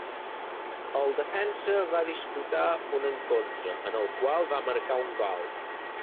El defensa va disputar un encontre, en el qual va marcar un gol.